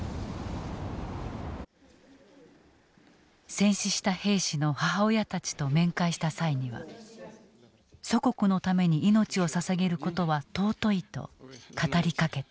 戦死した兵士の母親たちと面会した際には祖国のために命をささげることは尊いと語りかけた。